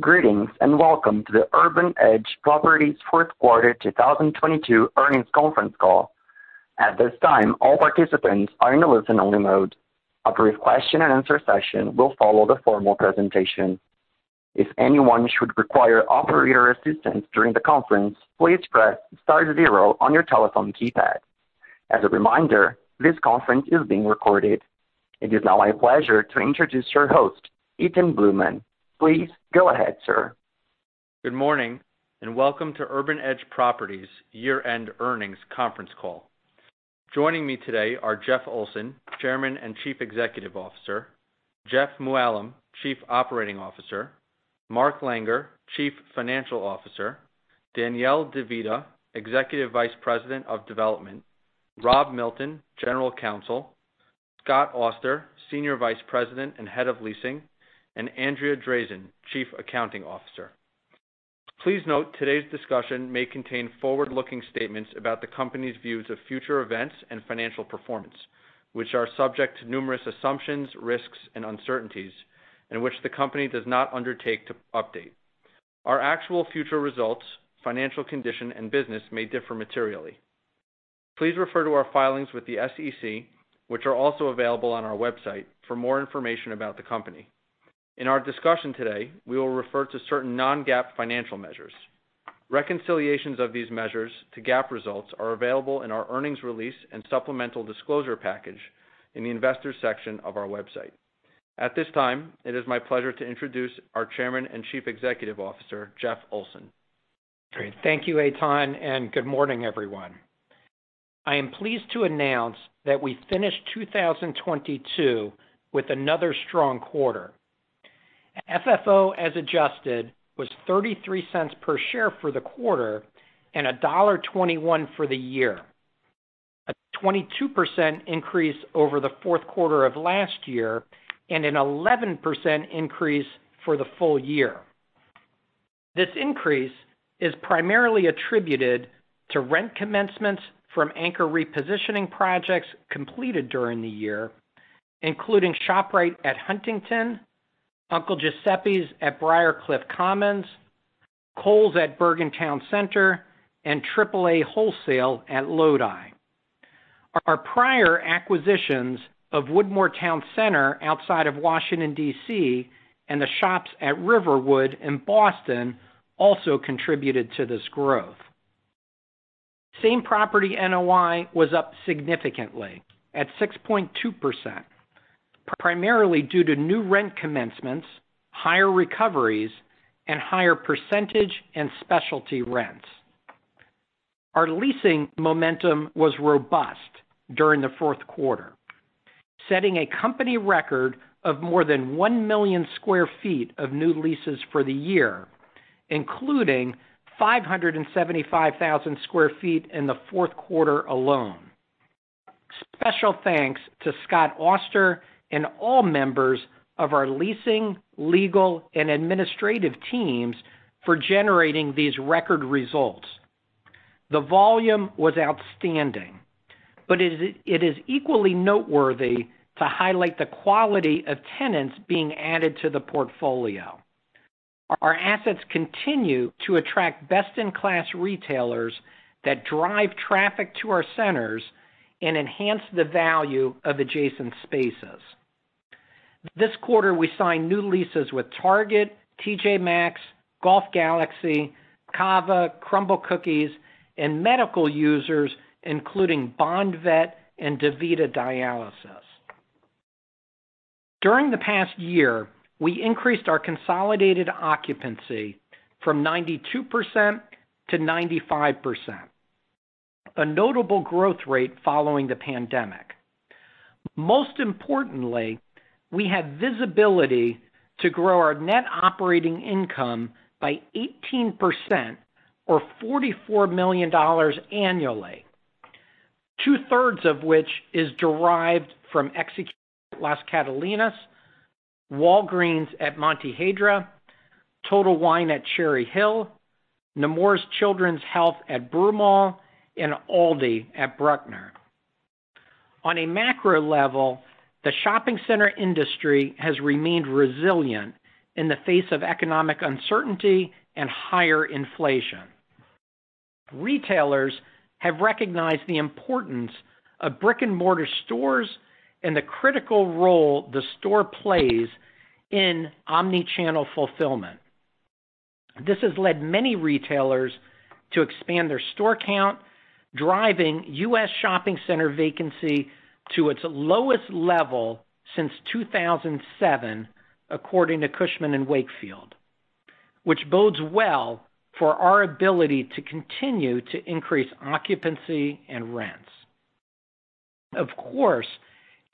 Greetings, welcome to the Urban Edge Properties Q4 2022 earnings conference call. At this time, all participants are in a listen-only mode. A brief question-and-answer session will follow the formal presentation. If anyone should require operator assistance during the conference, please press star zero on your telephone keypad. As a reminder, this conference is being recorded. It is now my pleasure to introduce your host, Eitan Bluman. Please go ahead, sir. Good morning. Welcome to Urban Edge Properties' year-end earnings conference call. Joining me today are Jeff Olson, Chairman and Chief Executive Officer, Jeff Mooallem, Chief Operating Officer, Mark Langer, Chief Financial Officer, Danielle De Vita, Executive Vice President of Development, Rob Milton, General Counsel, Scott Auster, Senior Vice President and Head of Leasing, and Andrea Drazin, Chief Accounting Officer. Please note, today's discussion may contain forward-looking statements about the company's views of future events and financial performance, which are subject to numerous assumptions, risks, and uncertainties in which the company does not undertake to update. Our actual future results, financial condition, and business may differ materially. Please refer to our filings with the SEC, which are also available on our website for more information about the company. In our discussion today, we will refer to certain non-GAAP financial measures. Reconciliations of these measures to GAAP results are available in our earnings release and supplemental disclosure package in the Investors section of our website. At this time, it is my pleasure to introduce our Chairman and Chief Executive Officer, Jeff Olson. Great. Thank you, Eitan. Good morning, everyone. I am pleased to announce that we finished 2022 with another strong quarter. FFO, as adjusted, was $0.33 per share for the quarter and $1.21 for the year. A 22% increase over the Q4 of last year, and an 11% increase for the full year. This increase is primarily attributed to rent commencements from anchor repositioning projects completed during the year, including ShopRite at Huntington, Uncle Giuseppe's at Briarcliff Commons, Kohl's at Bergen Town Center, and AAA Wholesale at Lodi. Our prior acquisitions of Woodmore Town Center outside of Washington, D.C., and The Shops at Riverwood in Boston also contributed to this growth. Same-property NOI was up significantly at 6.2%, primarily due to new rent commencements, higher recoveries, and higher percentage and specialty rents. Our leasing momentum was robust during the Q4, setting a company record of more than one million sq ft of new leases for the year, including 575,000 sq ft in the Q4 alone. Special thanks to Scott Auster and all members of our leasing, legal, and administrative teams for generating these record results. The volume was outstanding, but it is equally noteworthy to highlight the quality of tenants being added to the portfolio. Our assets continue to attract best-in-class retailers that drive traffic to our centers and enhance the value of adjacent spaces. This quarter, we signed new leases with Target, T.J. Maxx, Golf Galaxy, CAVA, Crumbl Cookies, and medical users, including Bond Vet and DaVita Dialysis. During the past year, we increased our consolidated occupancy from 92% to 95%, a notable growth rate following the pandemic. Most importantly, we have visibility to grow our net operating income by 18% or $44 million annually, two-thirds of which is derived from executing Las Catalinas, Walgreens at Montehiedra, Total Wine at Cherry Hill, Nemours Children's Health at Broomall, and ALDI at Bruckner. On a macro level, the shopping center industry has remained resilient in the face of economic uncertainty and higher inflation. Retailers have recognized the importance of brick-and-mortar stores and the critical role the store plays in omnichannel fulfillment. This has led many retailers to expand their store count, driving U.S. shopping center vacancy to its lowest level since 2007, according to Cushman & Wakefield, which bodes well for our ability to continue to increase occupancy and rents. Of course,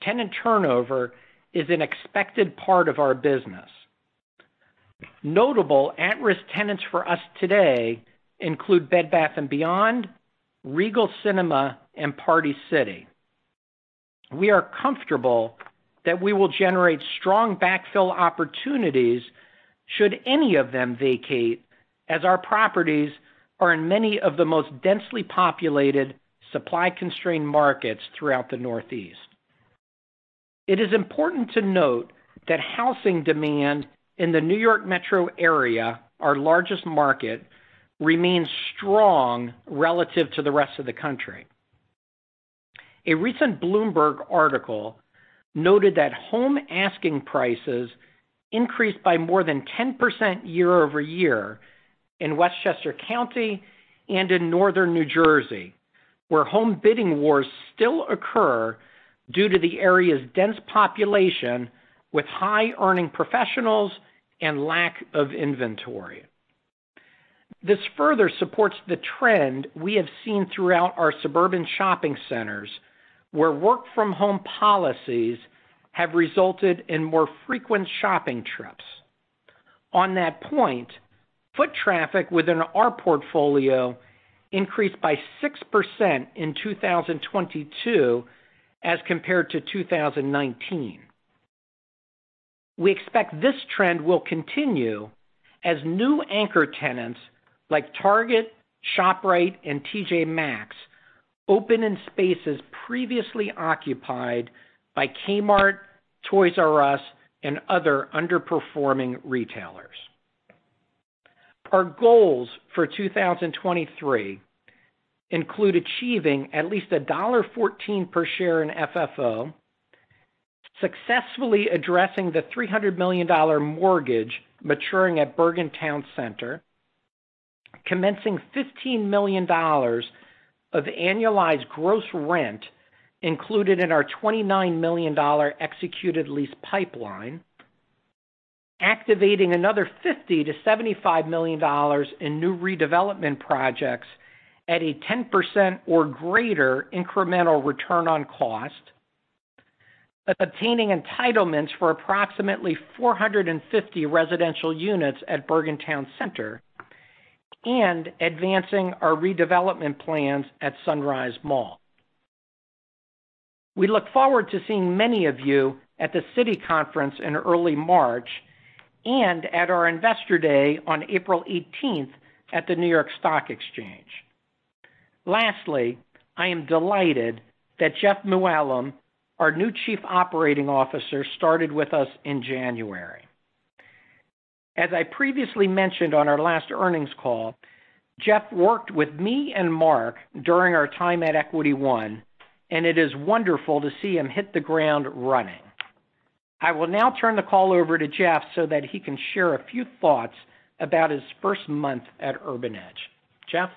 tenant turnover is an expected part of our business. Notable at-risk tenants for us today include Bed Bath & Beyond, Regal Cinemas, and Party City. We are comfortable that we will generate strong backfill opportunities should any of them vacate, as our properties are in many of the most densely populated, supply-constrained markets throughout the Northeast. It is important to note that housing demand in the New York metro area, our largest market, remains strong relative to the rest of the country. A recent Bloomberg article noted that home asking prices increased by more than 10% year-over-year in Westchester County and in northern New Jersey, where home bidding wars still occur due to the area's dense population with high-earning professionals and lack of inventory. This further supports the trend we have seen throughout our suburban shopping centers, where work from home policies have resulted in more frequent shopping trips. Foot traffic within our portfolio increased by 6% in 2022 as compared to 2019. We expect this trend will continue as new anchor tenants like Target, ShopRite, and T.J. Maxx open in spaces previously occupied by Kmart, Toys R Us, and other underperforming retailers. Our goals for 2023 include achieving at least a $1.14 per share in FFO, successfully addressing the $300 million mortgage maturing at Bergen Town Center, commencing $15 million of annualized gross rent included in our $29 million executed lease pipeline, activating another $50 million-$75 million in new redevelopment projects at a 10% or greater incremental return on cost, obtaining entitlements for approximately 450 residential units at Bergen Town Center, and advancing our redevelopment plans at Sunrise Mall. We look forward to seeing many of you at the Citi conference in early March and at our Investor Day on April 18th at the New York Stock Exchange. Lastly, I am delighted that Jeff Mooallem, our new Chief Operating Officer, started with us in January. As I previously mentioned on our last earnings call, Jeff worked with me and Mark during our time at Equity One, and it is wonderful to see him hit the ground running. I will now turn the call over to Jeff so that he can share a few thoughts about his first month at Urban Edge. Jeff?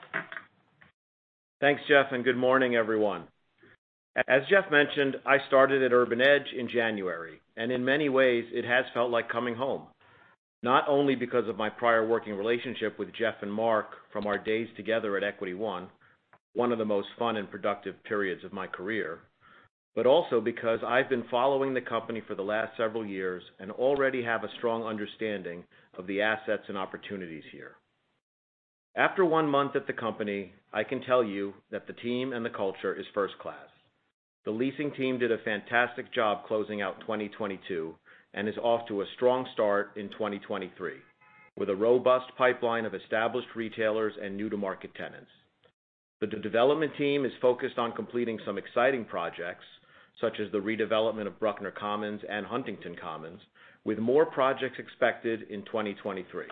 Thanks, Jeff, and good morning, everyone. As Jeff mentioned, I started at Urban Edge in January, and in many ways it has felt like coming home. Not only because of my prior working relationship with Jeff and Mark from our days together at Equity One, one of the most fun and productive periods of my career, but also because I've been following the company for the last several years and already have a strong understanding of the assets and opportunities here. After one month at the company, I can tell you that the team and the culture is first class. The leasing team did a fantastic job closing out 2022, and is off to a strong start in 2023, with a robust pipeline of established retailers and new to market tenants. The development team is focused on completing some exciting projects, such as the redevelopment of Bruckner Commons and Huntington Commons, with more projects expected in 2023.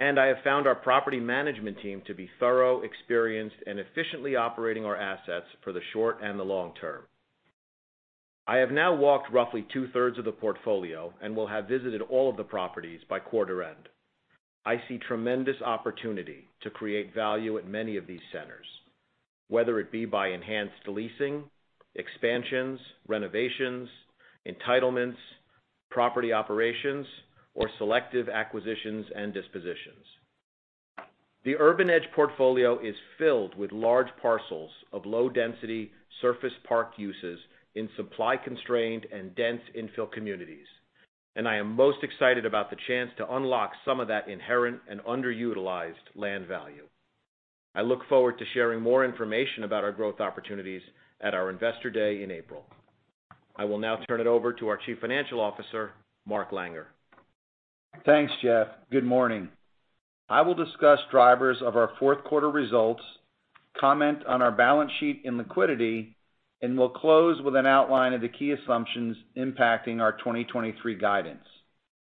I have found our property management team to be thorough, experienced, and efficiently operating our assets for the short and the long term. I have now walked roughly two thirds of the portfolio and will have visited all of the properties by quarter end. I see tremendous opportunity to create value at many of these centers, whether it be by enhanced leasing, expansions, renovations, entitlements, property operations, or selective acquisitions and dispositions. The Urban Edge portfolio is filled with large parcels of low density surface park uses in supply constrained and dense infill communities. I am most excited about the chance to unlock some of that inherent and underutilized land value. I look forward to sharing more information about our growth opportunities at our Investor Day in April. I will now turn it over to our Chief Financial Officer, Mark Langer. Thanks, Jeff. Good morning. I will discuss drivers of our Q4 results, comment on our balance sheet and liquidity, and will close with an outline of the key assumptions impacting our 2023 guidance.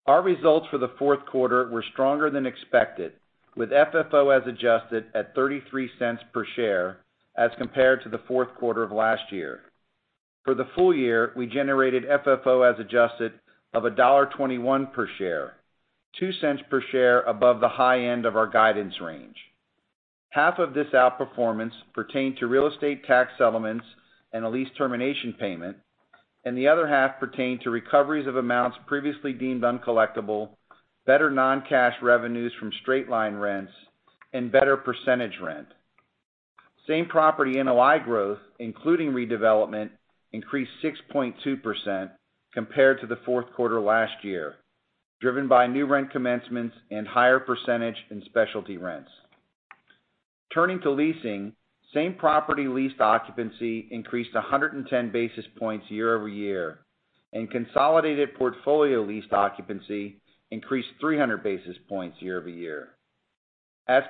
Our results for the Q4 were stronger than expected, with FFO as adjusted at $0.33 per share as compared to the Q4 of last year. For the full year, we generated FFO as adjusted of $1.21 per share, $0.02 per share above the high end of our guidance range. Half of this outperformance pertained to real estate tax settlements and a lease termination payment, and the other half pertained to recoveries of amounts previously deemed uncollectible, better non-cash revenues from straight-line rents, and better percentage rent. Same-property NOI growth, including redevelopment, increased 6.2% compared to the Q4 last year, driven by new rent commencements and higher percentage in specialty rents. Turning to leasing, same-property leased occupancy increased 110 basis points year-over-year, and consolidated portfolio leased occupancy increased 300 basis points year-over-year.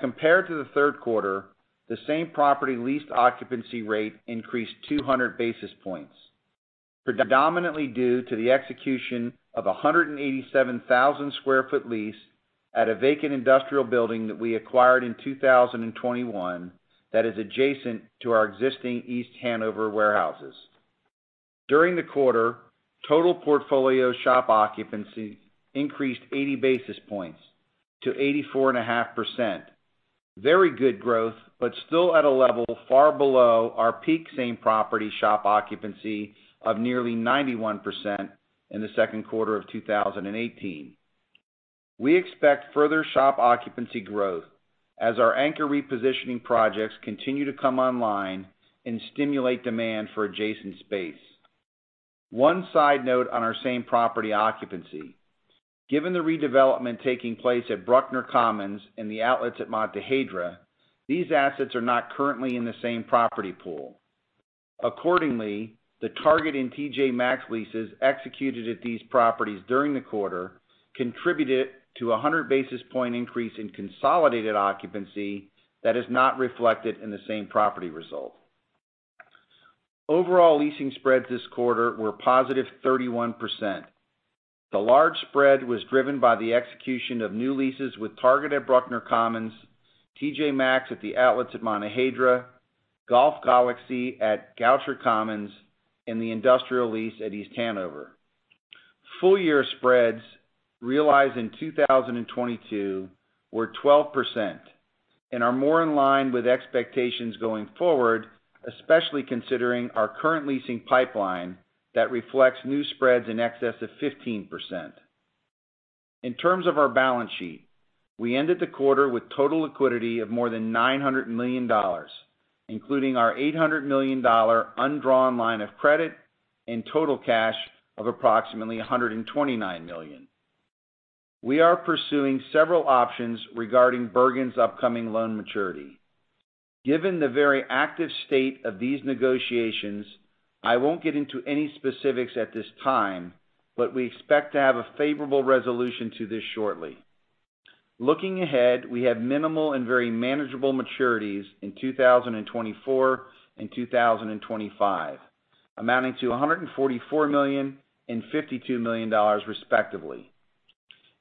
Compared to the Q3, the same-property leased occupancy rate increased 200 basis points, predominantly due to the execution of a 187,000 sq ft lease at a vacant industrial building that we acquired in 2021 that is adjacent to our existing East Hanover warehouses. During the quarter, total portfolio shop occupancy increased 80 basis points to 84.5%. Very good growth, still at a level far below our peak same property shop occupancy of nearly 91% in the Q2 of 2018. We expect further shop occupancy growth as our anchor repositioning projects continue to come online and stimulate demand for adjacent space. One side note on our same property occupancy. Given the redevelopment taking place at Bruckner Commons and The Outlets at Montehiedra, these assets are not currently in the same property pool. Accordingly, the Target and T.J. Maxx leases executed at these properties during the quarter contributed to a 100 basis point increase in consolidated occupancy that is not reflected in the same property result. Overall leasing spreads this quarter were positive 31%. The large spread was driven by the execution of new leases with Target at Bruckner Commons, T.J. Maxx at The Outlets at Montehiedra, Golf Galaxy at Goucher Commons, and the industrial lease at East Hanover. Full year spreads realized in 2022 were 12% and are more in line with expectations going forward, especially considering our current leasing pipeline that reflects new spreads in excess of 15%. In terms of our balance sheet, we ended the quarter with total liquidity of more than $900 million, including our $800 million undrawn line of credit and total cash of approximately $129 million. We are pursuing several options regarding Bergen's upcoming loan maturity. Given the very active state of these negotiations, I won't get into any specifics at this time, but we expect to have a favorable resolution to this shortly. Looking ahead, we have minimal and very manageable maturities in 2024 and 2025, amounting to $144 million and $52 million, respectively.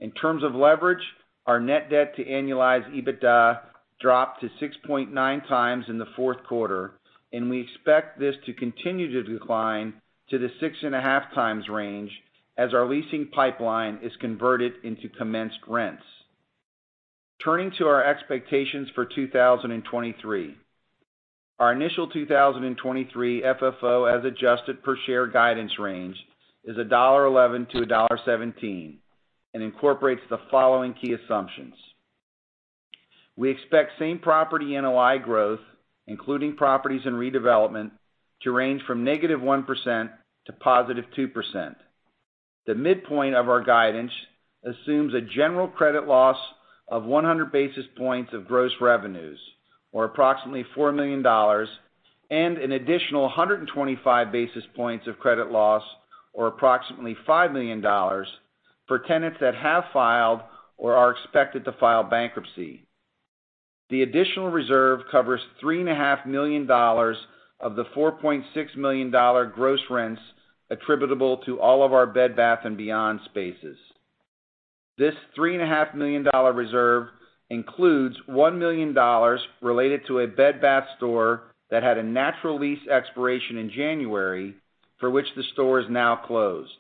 In terms of leverage, our net debt to annualized EBITDA dropped to 6.9x in the Q4, and we expect this to continue to decline to the 6.5x range as our leasing pipeline is converted into commenced rents. Turning to our expectations for 2023. Our initial 2023 FFO, as adjusted per share guidance range, is $1.11-$1.17 and incorporates the following key assumptions. We expect same-property NOI growth, including properties and redevelopment, to range from -1% to +2%. The midpoint of our guidance assumes a general credit loss of 100 basis points of gross revenues, or approximately $4 million, and an additional 125 basis points of credit loss, or approximately $5 million for tenants that have filed or are expected to file bankruptcy. The additional reserve covers three and a half million dollars of the $4.6 million gross rents attributable to all of our Bed Bath & Beyond spaces. This $3.5 million Reserve includes $1 million related to a Bed Bath store that had a natural lease expiration in January, for which the store is now closed.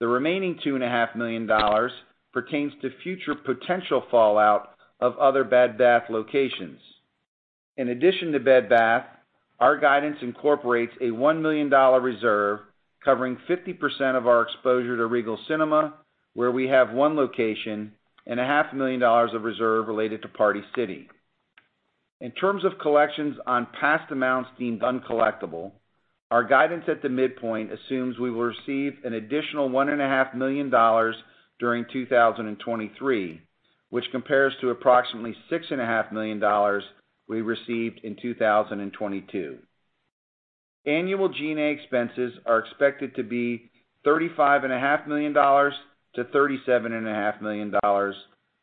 The remaining $2.5 million dollars pertains to future potential fallout of other Bed Bath locations. In addition to Bed Bath, our guidance incorporates a $1 million reserve covering 50% of our exposure to Regal Cinemas, where we have one location, and $0.5 million dollars of reserve related to Party City. In terms of collections on past amounts deemed uncollectible, our guidance at the midpoint assumes we will receive an additional $1.5 Million during 2023, which compares to approximately $6.5 million we received in 2022. Annual G&A expenses are expected to be $35.5-$37.5 million,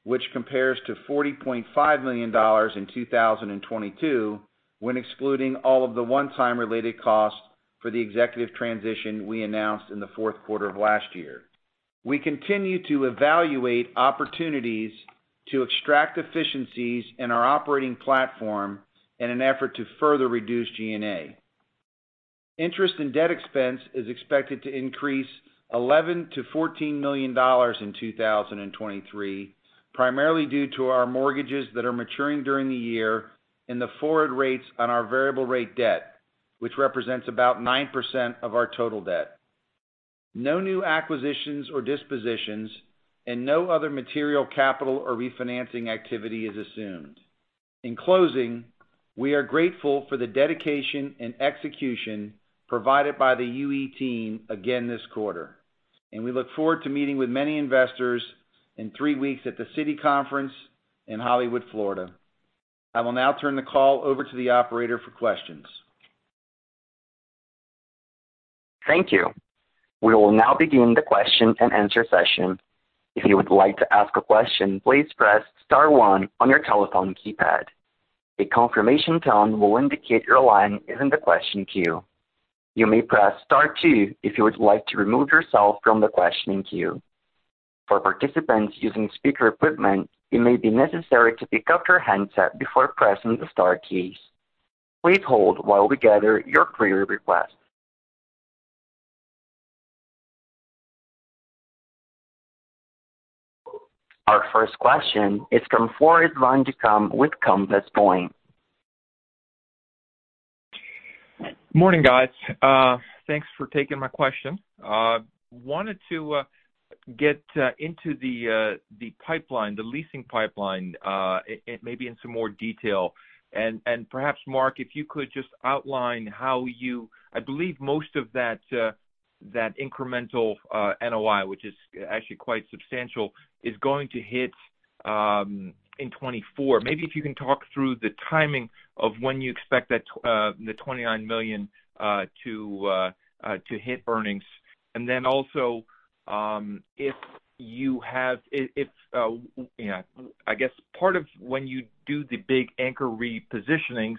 which compares to $40.5 million in 2022, when excluding all of the one-time related costs for the executive transition we announced in the Q4 of last year. We continue to evaluate opportunities to extract efficiencies in our operating platform in an effort to further reduce G&A. Interest in debt expense is expected to increase $11 million-$14 million in 2023, primarily due to our mortgages that are maturing during the year and the forward rates on our variable rate debt, which represents about 9% of our total debt. No new acquisitions or dispositions and no other material, capital or refinancing activity is assumed. In closing, we are grateful for the dedication and execution provided by the UE team again this quarter, and we look forward to meeting with many investors in three weeks at the Citi Conference in Hollywood, Florida. I will now turn the call over to the operator for questions. Thank you. We will now begin the question and answer session. If you would like to ask a question, please press star one on your telephone keypad. A confirmation tone will indicate your line is in the question queue. You may press star two if you would like to remove yourself from the questioning queue. For participants using speaker equipment, it may be necessary to pick up your handset before pressing the star keys. Please hold while we gather your query request. Our first question is from Floris van Dijkum with Compass Point. Morning, guys. Thanks for taking my question. Wanted to get into the the pipeline, the leasing pipeline, maybe in some more detail. Perhaps, Mark, if you could just outline how I believe most of that incremental NOI, which is actually quite substantial, is going to hit in 2024. Maybe if you can talk through the timing of when you expect that $29 million to hit earnings. Also, you know, I guess part of when you do the big anchor repositionings,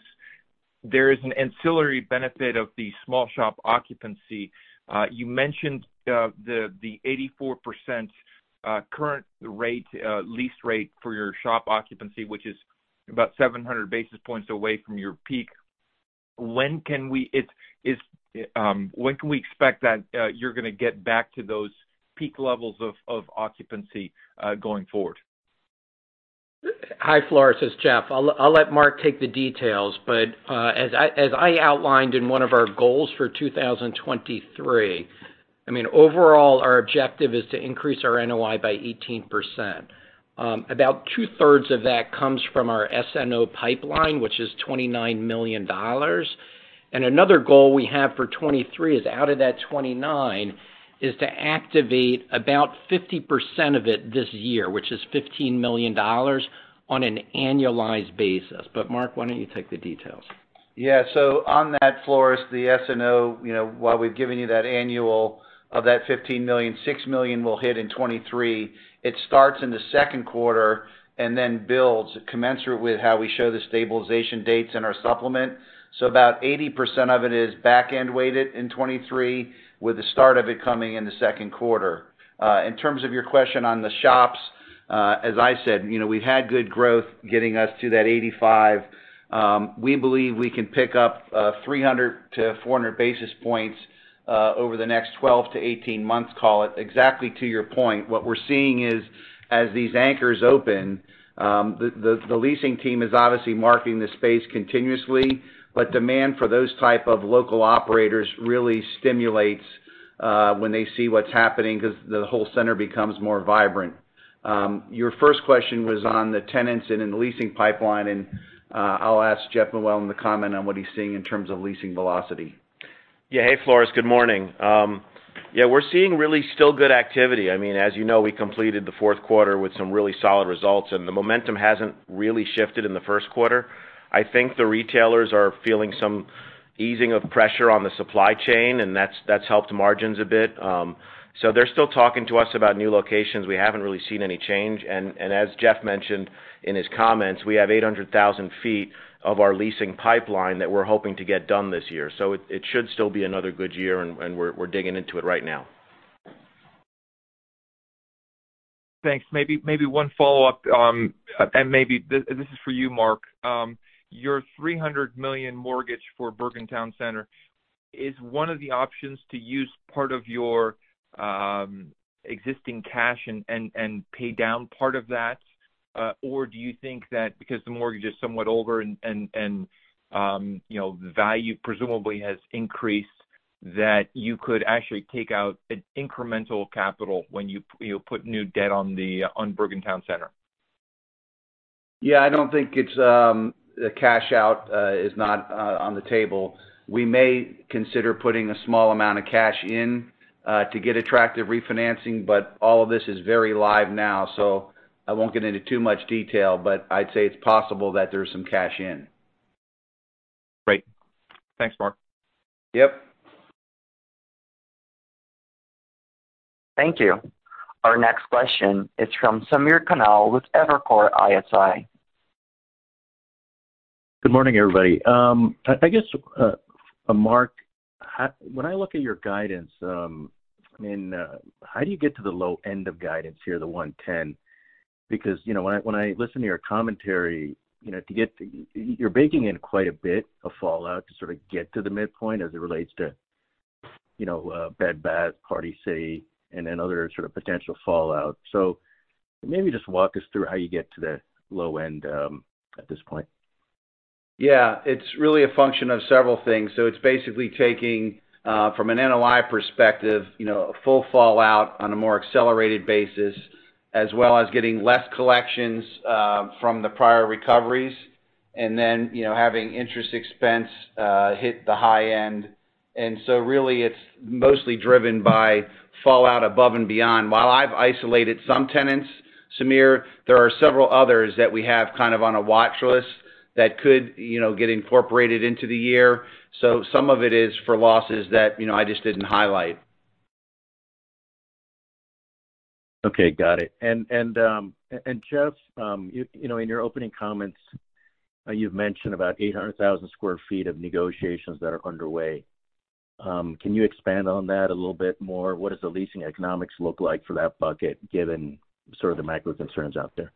there is an ancillary benefit of the small shop occupancy. You mentioned the 84% current rate lease rate for your shop occupancy, which is about 700 basis points away from your peak. When can we expect that you're gonna get back to those peak levels of occupancy going forward? Hi, Floris, it's Jeff. I'll let Mark take the details. As I outlined in one of our goals for 2023, I mean, overall, our objective is to increase our NOI by 18%. About two-thirds of that comes from our SNO pipeline, which is $29 million. Another goal we have for 2023 is out of that 29, is to activate about 50% of it this year, which is $15 million on an annualized basis. Mark, why don't you take the details? Yeah. On that, Floris, the SNO, you know, while we've given you that annual of that $15 million, $6 million will hit in 23. It starts in the Q2 and then builds commensurate with how we show the stabilization dates in our supplement. About 80% of it is back-end weighted in 23, with the start of it coming in the Q2. In terms of your question on the shops, as I said, you know, we've had good growth getting us to that 85. We believe we can pick up 300-400 basis points over the next 12-18 months, call it. Exactly to your point, what we're seeing is as these anchors open, the leasing team is obviously marking the space continuously, but demand for those type of local operators really stimulates when they see what's happening because the whole center becomes more vibrant. Your first question was on the tenants and in the leasing pipeline, and I'll ask Jeff Mooallem to comment on what he's seeing in terms of leasing velocity. Yeah. Hey, Floris. Good morning. Yeah, we're seeing really still good activity. I mean, as you know, we completed the Q4 with some really solid results, and the momentum hasn't really shifted in the Q1. I think the retailers are feeling some easing of pressure on the supply chain, and that's helped margins a bit. They're still talking to us about new locations. We haven't really seen any change. As Jeff mentioned in his comments, we have 800,000 feet of our leasing pipeline that we're hoping to get done this year. It should still be another good year, and we're digging into it right now. Thanks. Maybe one follow-up, maybe this is for you, Mark. Your $300 million mortgage for Bergen Town Center, is one of the options to use part of your existing cash and pay down part of that? Or do you think that because the mortgage is somewhat older and, you know, value presumably has increased, that you could actually take out an incremental capital when you put new debt on Bergen Town Center? I don't think it's the cash out is not on the table. We may consider putting a small amount of cash in to get attractive refinancing, but all of this is very live now, so I won't get into too much detail, but I'd say it's possible that there's some cash in. Great. Thanks, Mark. Yep. Thank you. Our next question is from Samir Khanal with Evercore ISI. Good morning, everybody. I guess Mark, when I look at your guidance, how do you get to the low end of guidance here, the $1.10? You know, when I listen to your commentary, you know, you're baking in quite a bit of fallout to sort of get to the midpoint as it relates to, you know, Bed Bath, Party City, and then other sort of potential fallout. Maybe just walk us through how you get to the low end at this point. Yeah. It's really a function of several things. It's basically taking, from an NOI perspective, you know, a full fallout on a more accelerated basis, as well as getting less collections, from the prior recoveries and then, you know, having interest expense, hit the high end. Really it's mostly driven by fallout above and beyond. While I've isolated some tenants- Samir, there are several others that we have kind of on a watch list that could, you know, get incorporated into the year. Some of it is for losses that, you know, I just didn't highlight. Okay, got it. Jeff, you know, in your opening comments, you've mentioned about 800,000 sq ft of negotiations that are underway. Can you expand on that a little bit more? What does the leasing economics look like for that bucket, given sort of the macro concerns out there?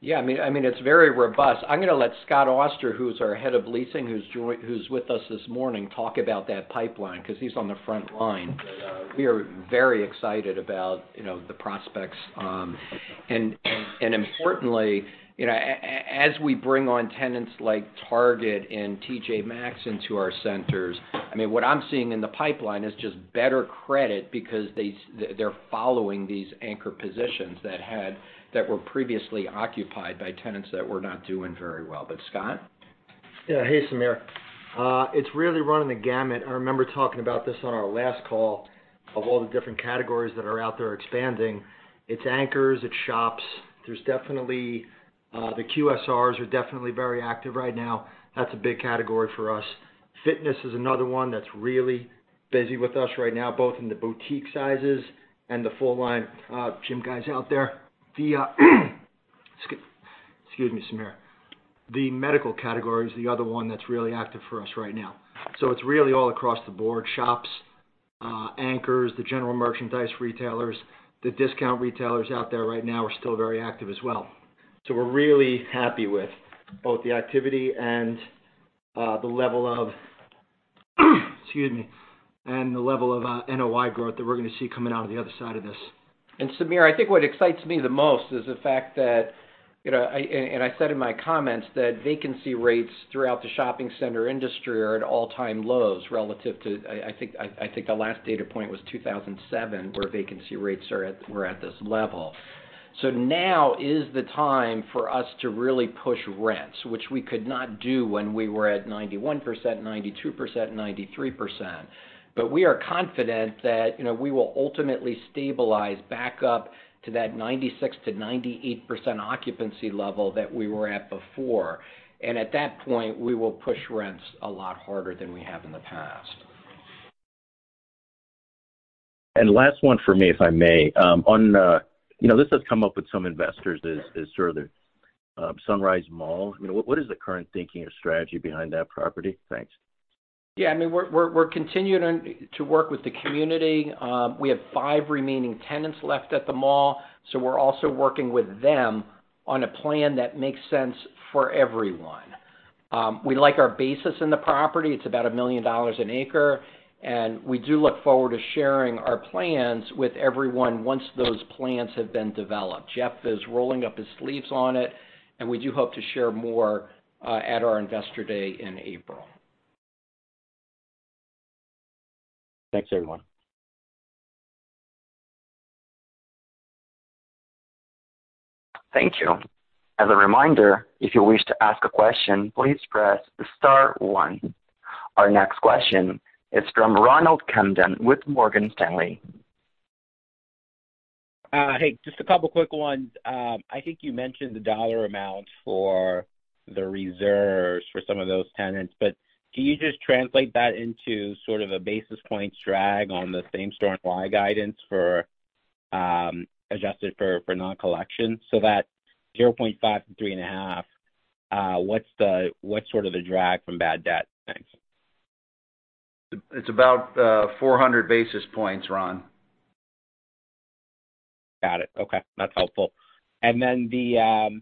Yeah, I mean, it's very robust. I'm gonna let Scott Auster, who's our head of leasing, who's with us this morning, talk about that pipeline 'cause he's on the front line. We are very excited about, you know, the prospects. Importantly, you know, as we bring on tenants like Target and T.J. Maxx into our centers, I mean, what I'm seeing in the pipeline is just better credit because they're following these anchor positions that were previously occupied by tenants that were not doing very well. Scott? Yeah. Hey, Samir. It's really running the gamut. I remember talking about this on our last call of all the different categories that are out there expanding. It's anchors, it's shops. There's definitely the QSRs are definitely very active right now. That's a big category for us. Fitness is another one that's really busy with us right now, both in the boutique sizes and the full line gym guys out there. Excuse me, Samir. The medical category is the other one that's really active for us right now. It's really all across the board, shops, anchors, the general merchandise retailers. The discount retailers out there right now are still very active as well. We're really happy with both the activity and the level of NOI growth that we're going to see coming out of the other side of this. Samir, I think what excites me the most is the fact that, you know, I, and I said in my comments that vacancy rates throughout the shopping center industry are at all-time lows relative to, I think the last data point was 2007, where vacancy rates were at this level. Now is the time for us to really push rents, which we could not do when we were at 91%, 92%, 93%. We are confident that, you know, we will ultimately stabilize back up to that 96%-98% occupancy level that we were at before. At that point, we will push rents a lot harder than we have in the past. Last one for me, if I may. On, you know, this has come up with some investors is sort of the Sunrise Mall. You know, what is the current thinking or strategy behind that property? Thanks. I mean, we're continuing to work with the community. We have five remaining tenants left at the mall. We're also working with them on a plan that makes sense for everyone. We like our basis in the property. It's about $1 million an acre. We do look forward to sharing our plans with everyone once those plans have been developed. Jeff is rolling up his sleeves on it. We do hope to share more at our investor day in April. Thanks, everyone. Thank you. As a reminder, if you wish to ask a question, please press star one. Our next question is from Ronald Kamdem with Morgan Stanley. Hey, just a couple quick ones. I think you mentioned the dollar amount for the reserves for some of those tenants, can you just translate that into sort of a basis points drag on the same-store NOI guidance for, adjusted for non-collection? That 0.5-3.5, what's sort of the drag from bad debt? Thanks. It's about, 400 basis points, Ron. Got it. Okay, that's helpful. Then the,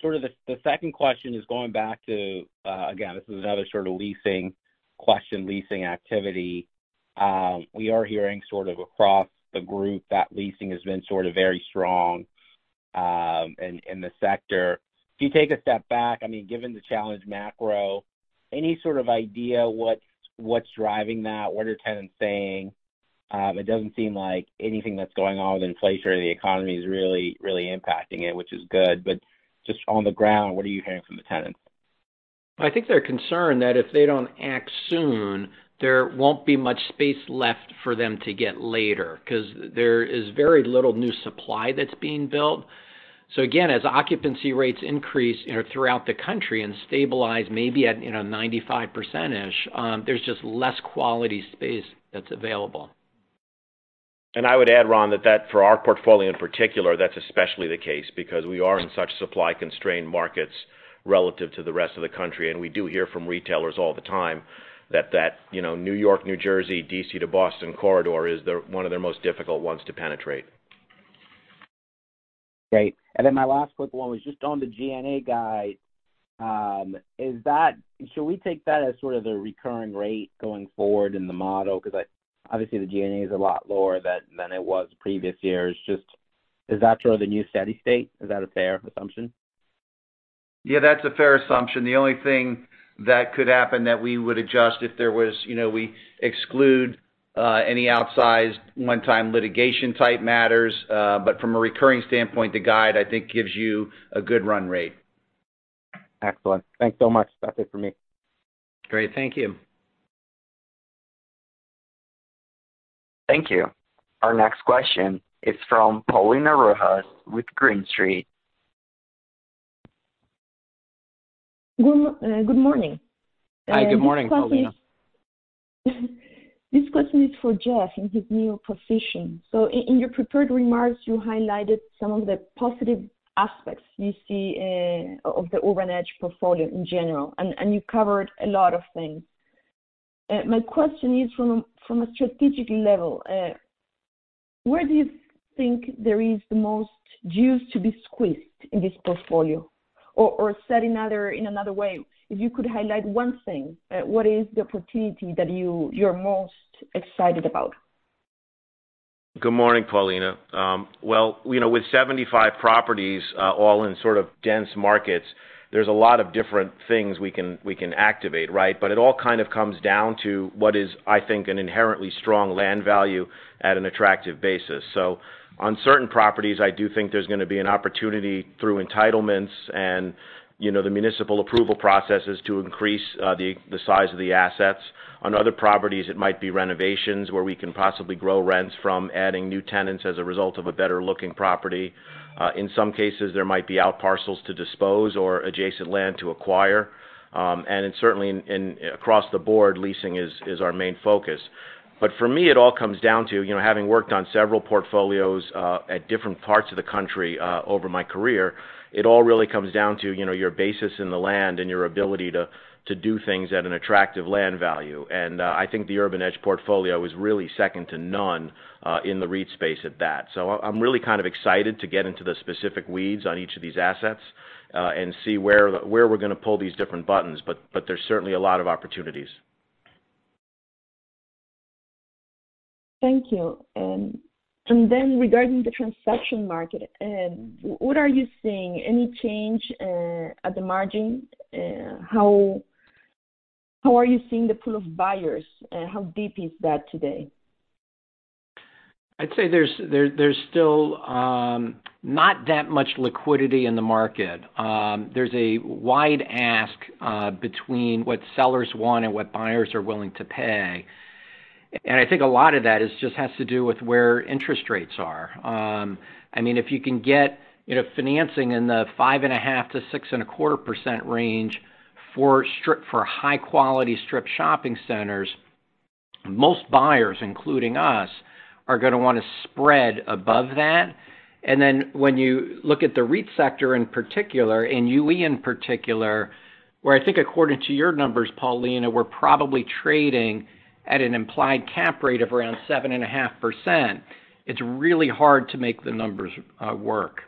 sort of the second question is going back to, again, this is another sort of leasing question, leasing activity. We are hearing sort of across the group that leasing has been sort of very strong, in the sector. If you take a step back, I mean, given the challenged macro, any sort of idea what's driving that? What are tenants saying? It doesn't seem like anything that's going on with inflation or the economy is really impacting it, which is good. Just on the ground, what are you hearing from the tenants? I think they're concerned that if they don't act soon, there won't be much space left for them to get later, 'cause there is very little new supply that's being built. Again, as occupancy rates increase, you know, throughout the country and stabilize maybe at, you know, 95%, there's just less quality space that's available. I would add, Ron, that for our portfolio in particular, that's especially the case because we are in such supply-constrained markets relative to the rest of the country. We do hear from retailers all the time that, you know, New York, New Jersey, D.C. to Boston corridor is one of their most difficult ones to penetrate. Great. My last quick one was just on the G&A guide. Should we take that as sort of the recurring rate going forward in the model? Cause obviously the G&A is a lot lower than it was previous years. Just is that sort of the new steady state? Is that a fair assumption? Yeah, that's a fair assumption. The only thing that could happen that we would adjust if there was, you know, we exclude, any outsized one-time litigation type matters. From a recurring standpoint, the guide, I think, gives you a good run rate. Excellent. Thanks so much. That's it for me. Great. Thank you. Our next question is from Paulina Rojas-Schmidt with Green Street. Good morning. Hi, good morning, Paulina. This question is for Jeff in his new position. In your prepared remarks, you highlighted some of the positive aspects you see of the Urban Edge portfolio in general, and you covered a lot of things. My question is from a strategic level, where do you think there is the most juice to be squeezed in this portfolio? Said in another way, if you could highlight one thing, what is the opportunity that you're most excited about? Good morning, Paulina. Well, you know, with 75 properties, all in sort of dense markets, there's a lot of different things we can, we can activate, right? It all kind of comes down to what is, I think, an inherently strong land value at an attractive basis. On certain properties, I do think there's gonna be an opportunity through entitlements and, you know, the municipal approval processes to increase the size of the assets. On other properties, it might be renovations where we can possibly grow rents from adding new tenants as a result of a better-looking property. In some cases, there might be outparcels to dispose or adjacent land to acquire. Certainly in across the board, leasing is our main focus. For me, it all comes down to, you know, having worked on several portfolios, at different parts of the country, over my career, it all really comes down to, you know, your basis in the land and your ability to do things at an attractive land value. I think the Urban Edge portfolio is really second to none, in the REIT space at that. I'm really kind of excited to get into the specific weeds on each of these assets, and see where we're gonna pull these different buttons. There's certainly a lot of opportunities. Thank you. Regarding the transaction market, what are you seeing? Any change at the margin? How are you seeing the pool of buyers, how deep is that today? I'd say there's still not that much liquidity in the market. There's a wide ask between what sellers want and what buyers are willing to pay. I think a lot of that is just has to do with where interest rates are. I mean, if you can get, you know, financing in the 5.5%-6.25% range for high-quality strip shopping centers, most buyers, including us, are gonna wanna spread above that. When you look at the REIT sector in particular, in UE in particular, where I think according to your numbers, Paulina, we're probably trading at an implied cap rate of around 7.5%, it's really hard to make the numbers work.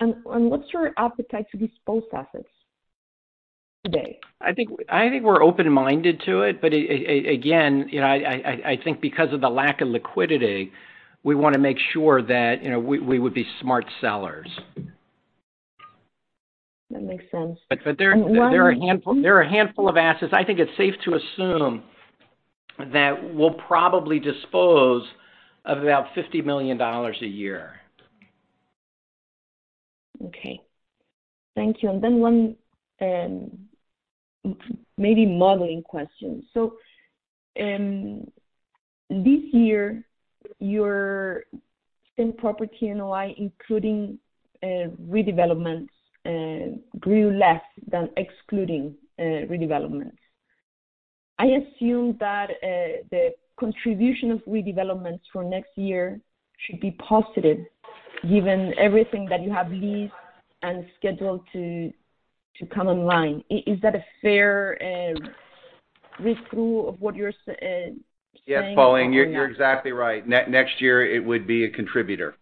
What's your appetite to dispose assets today? Again, you know, I think because of the lack of liquidity, we wanna make sure that, you know, we would be smart sellers. That makes sense. There. And one. There are a handful of assets. I think it's safe to assume that we'll probably dispose of about $50 million a year. Thank you. One, maybe modeling question. This year, your same-property NOI, including redevelopments, grew less than excluding redevelopments. I assume that the contribution of redevelopments for next year should be positive given everything that you have leased and scheduled to come online. Is that a fair read-through of what you're saying? Yes, Paulina, you're exactly right. Next year it would be a contributor.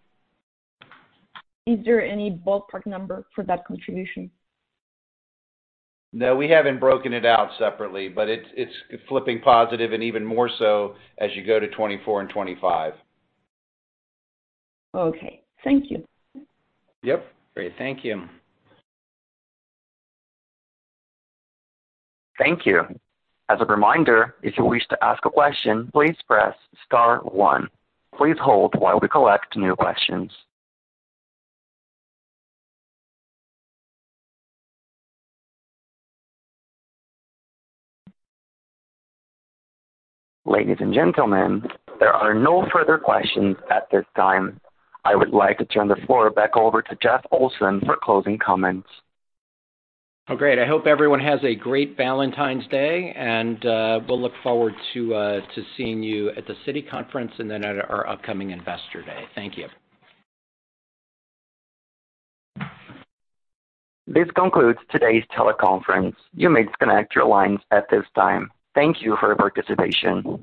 Is there any ballpark number for that contribution? No, we haven't broken it out separately, but it's flipping positive and even more so as you go to 2024 and 2025. Okay. Thank you. Yep. Great. Thank you. Thank you. As a reminder, if you wish to ask a question, please press star one. Please hold while we collect new questions. Ladies and gentlemen, there are no further questions at this time. I would like to turn the floor back over to Jeff Olson for closing comments. Oh, great. I hope everyone has a great Valentine's Day, and we'll look forward to seeing you at the Citi conference and then at our upcoming Investor Day. Thank you. This concludes today's teleconference. You may disconnect your lines at this time. Thank you for your participation.